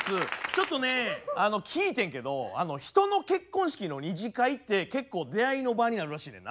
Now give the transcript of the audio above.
ちょっとねあの聞いてんけど人の結婚式の二次会って結構出会いの場になるらしいねんな。